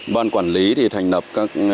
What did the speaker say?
ban quản lý thì thành lập các